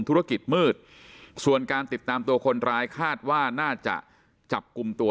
ธุรกิจมืดส่วนการติดตามตัวคนร้ายคาดว่าน่าจะจับกลุ่มตัว